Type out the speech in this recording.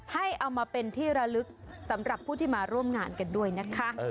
ให้เอามาเป็นที่ระลึกสำหรับผู้ที่มาร่วมงานกันด้วยนะคะ